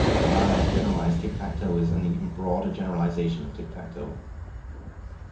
Harary's generalized tic-tac-toe is an even broader generalization of tic tac toe.